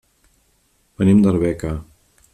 Venim d'Arbeca.